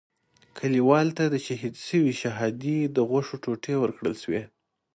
کلیوالو ته د شهید شوي شهادي د غوښو ټوټې ورکړل شوې.